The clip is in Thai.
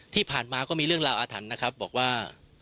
ที่ผ่านมาก็มีเรื่องราวอาถรรพ์นะครับบอกว่า